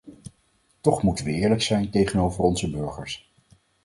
Toch moeten we eerlijk zijn tegenover onze burgers.